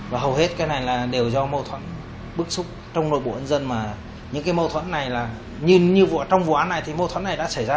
và hầu hết cái này là đều do mâu thuẫn bức xúc trong nội bộ nhân dân mà những cái mâu thuẫn này là nhìn như trong vụ án này thì mâu thuẫn này đã xảy ra